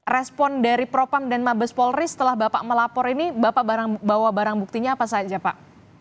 respon dari propam dan mabes polri setelah bapak melapor ini bapak bawa barang buktinya apa saja pak